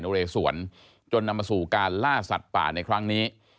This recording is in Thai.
เรสวนจนนำมาสู่การล่าสัตว์ป่าในครั้งนี้